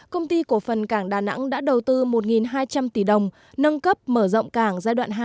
công ty cổ phần cảng đà nẵng đã đầu tư một hai trăm linh tỷ đồng nâng cấp mở rộng cảng giai đoạn hai